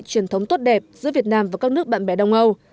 truyền thống tốt đẹp giữa việt nam và các nước bạn bè đông âu